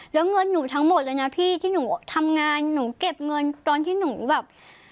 แล้วเงินหนูทั้งหมดเลยนะพี่ที่หนูทำงานหนูเก็บเงินตอนที่หนูแบบ